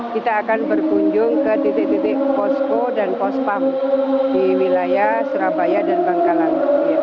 kita akan berkunjung ke titik titik posko dan pospam di wilayah surabaya dan bangkalan